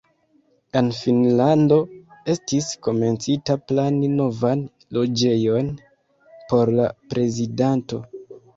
En Finnlando estis komencita plani novan loĝejon por la prezidanto.